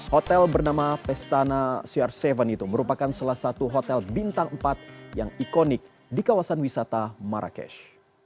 hotel bernama pestana cr tujuh itu merupakan salah satu hotel bintang empat yang ikonik di kawasan wisata marrakesh